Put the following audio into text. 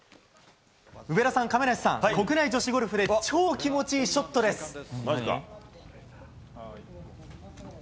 上田さん、亀梨さん国内女子ゴルフで超気持ちいいショットです。